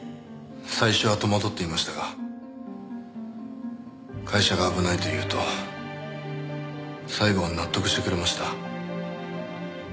最初は戸惑っていましたが会社が危ないと言うと最後は納得してくれました。